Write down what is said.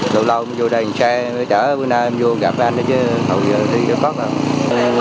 lâu lâu em vô đây một xe mới chở bữa nay em vô gặp anh nữa chứ hầu giờ đi đều bắt lắm